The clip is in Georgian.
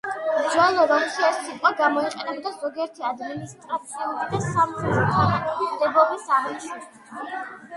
ძველ რომში ეს სიტყვა გამოიყენებოდა ზოგიერთი ადმინისტრაციული და სამხედრო თანამდებობის აღნიშვნისთვის.